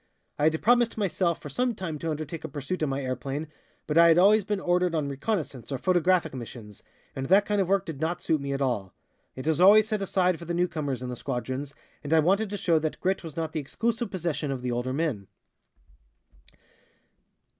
I had promised myself for some time to undertake a pursuit in my airplane, but I had always been ordered on reconnaissances or photographic missions, and that kind of work did not suit me at all. It is always set aside for the newcomers in the squadrons, and I wanted to show that grit was not the exclusive possession of the older men."